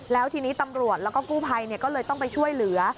แล้วทีนี้ตำรวจแล้วก็กู้ภัยก็เลยต้องไปช่วยเหลือ